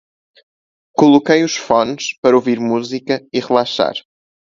Coloquei os phones para ouvir música e relaxar.